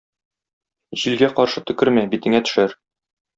Җилгә каршы төкермә, битеңә төшәр.